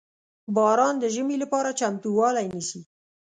• باران د ژمي لپاره چمتووالی نیسي.